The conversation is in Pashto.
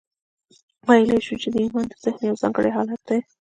ویلای شو چې ایمان د ذهن یو ځانګړی حالت دی